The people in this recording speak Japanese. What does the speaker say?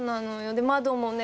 で窓もね